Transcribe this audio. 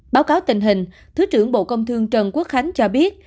báo cáo tình hình thứ trưởng bộ công thương trần quốc khánh cho biết